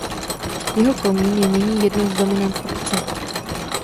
Jeho komín je nyní jednou z dominant obce.